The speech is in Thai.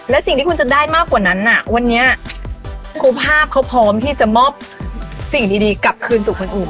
และสิ่งที่คุณจะได้มากกว่านั้นวันนี้ครูภาพเขาพร้อมที่จะมอบสิ่งดีกลับคืนสู่คนอื่น